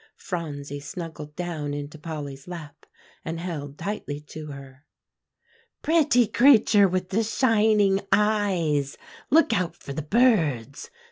Phronsie snuggled down into Polly's lap, and held tightly to her. "'Pretty creature with the shining eyes, look out for the birds!